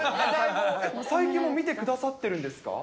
最近も見てくださってるんですか？